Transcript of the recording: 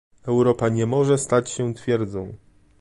Europa nie może stać się twierdzą